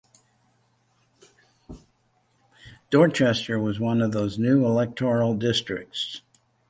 Dorchester was one of those new electoral districts.